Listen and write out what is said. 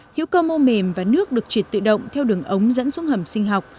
hữu cơ mô mềm và nước được chuyển tự động theo đường ống dẫn xuống hầm sinh học